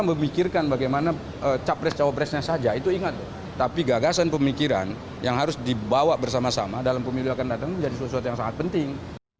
bukan memikirkan bagaimana capres capresnya saja itu ingat tapi gagasan pemikiran yang harus dibawa bersama sama dalam pemilihan kendataan menjadi sesuatu yang sangat penting